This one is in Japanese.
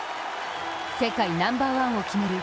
世界ナンバーワンを決める